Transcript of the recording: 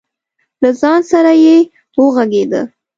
له ځان سره یې وغږېده.